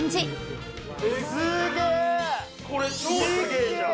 ミッキーこれ超すげえじゃん・